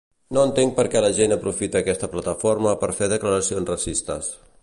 No entenc perquè la gent aprofita aquesta plataforma per fer declaracions racistes